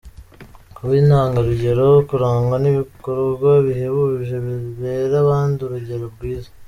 Kuba intangarugero- Kurangwa n’ibikorwa bihebuje bibera abandi urugero rwiza.